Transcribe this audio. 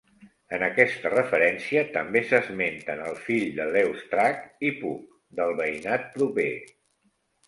En aquesta referència també s'esmenten el fill de Leustrak i Puch, del veïnat proper.